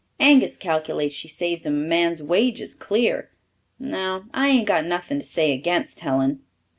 Angus calculates she saves him a man's wages clear. No, I ain't got nothing to say against Helen."